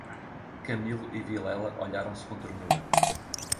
Camilo e Vilela olharam-se com ternura.